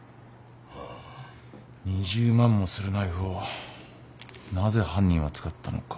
２０万もするナイフをなぜ犯人は使ったのか。